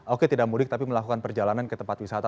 oke tidak mudik tapi melakukan perjalanan ke tempat wisata